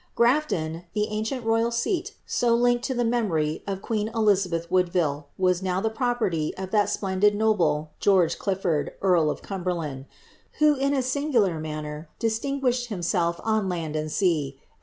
Grafton, the oncienl roval sest, so linked to the memory of queen Elizabeth Wootfville, was now ibt properly of that splendid noble, George Ciilford, earl of Ciimberla; ni, who. ill a singular manner, disiinvuished himself, on land and sea.